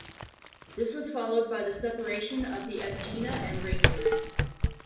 This was followed by the separation of the Agena and Ranger.